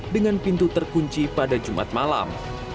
dengan pintu terkunci pada jumat malam